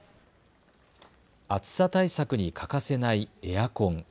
暑さ対策に欠かせないエアコン。